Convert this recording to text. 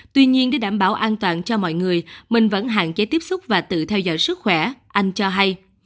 tuy nhiên để đảm bảo an toàn cho mọi người mình vẫn hạn chế tiếp xúc và tự theo dõi sức khỏe anh cho hay